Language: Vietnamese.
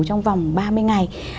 trong vòng ba mươi ngày